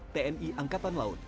tni angkatan laut